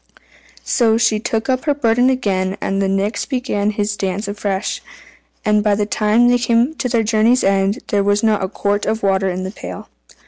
So she took up her burden again, and the Nix began his dance afresh, and by the time they came to their journey's end, there was not a quart of water in the pail.